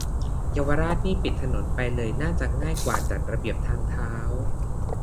เยาวราชนี่ปิดถนนไปเลยน่าจะง่ายกว่าจัดระเบียบทางเท้า